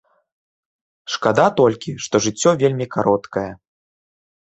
Шкада толькі, што жыццё вельмі кароткае.